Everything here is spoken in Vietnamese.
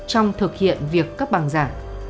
trong thực hiện việc cấp bằng giả